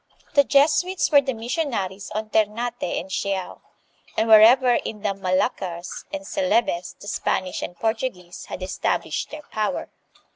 The Jesuits were the missionaries on Ternate and Siao and wherever in the Moluccas and Celebes the Span ish and Portuguese had established their power.